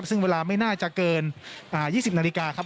ซึ่งเวลาไม่น่าจะเกิน๒๐นาฬิกาครับ